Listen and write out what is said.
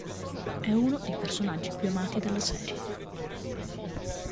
È uno dei personaggi più amati della serie.